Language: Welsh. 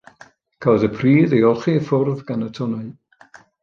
Cafodd y pridd ei olchi i ffwrdd gan y tonnau.